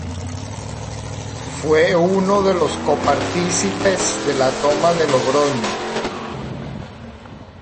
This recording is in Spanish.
Fue uno de los co-partícipes de la toma de Logroño.